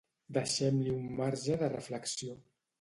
Deixem-li un marge de reflexió.